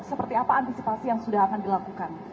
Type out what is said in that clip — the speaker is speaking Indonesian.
seperti apa antisipasi yang sudah akan dilakukan